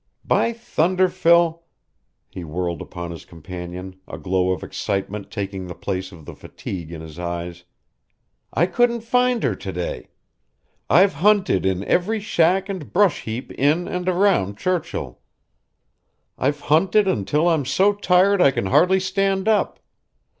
By thunder, Phil " He whirled upon his companion, a glow of excitement taking the place of the fatigue in his eyes. "I couldn't find her to day. I've hunted in every shack and brush heap in and around Churchill. I've hunted until I'm so tired I can hardly stand up.